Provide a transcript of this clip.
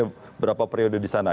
berapa periode di sana